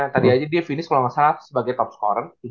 tadi aja dia finish kalau nggak salah sebagai top scorer